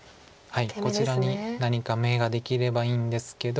こちらに何か眼ができればいいんですけど。